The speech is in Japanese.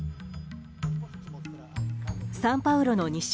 サンパウロの西